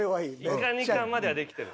「イカ２貫」まではできてる。